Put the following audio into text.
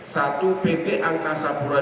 satu pt angkasa pura ii